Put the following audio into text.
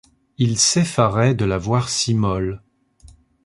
Il s’effarait de la voir si molle.